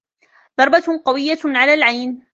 ضربة قوية على العين.